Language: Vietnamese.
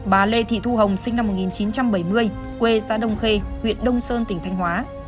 bà lê thị thu hồng sinh năm một nghìn chín trăm bảy mươi quê xã đông khê huyện đông sơn tỉnh thanh hóa